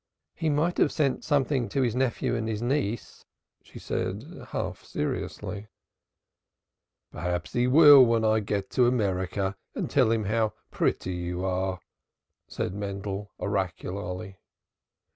"He might have sent something to his nephew and his niece," she said half seriously. "Perhaps he will when I get to America and tell him how pretty you are," said Mendel oracularly.